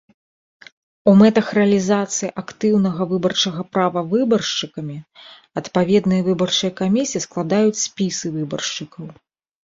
У мэтах рэалізацыі актыўнага выбарчага права выбаршчыкамі адпаведныя выбарчыя камісіі складаюць спісы выбаршчыкаў.